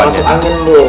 jangan masuk angin bu